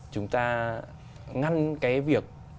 chúng ta ngăn cái việc